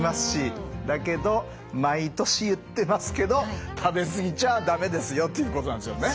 だけど毎年言ってますけど食べ過ぎちゃ駄目ですよということなんですよね。